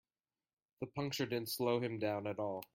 The puncture didn't slow him down at all.